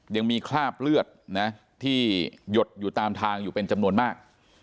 ยังมีคราบเลือดนะที่หยดอยู่ตามทางอยู่เป็นจำนวนมาก